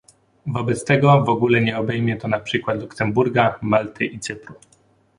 Wobec tego w ogóle nie obejmie to na przykład Luksemburga, Malty i Cypru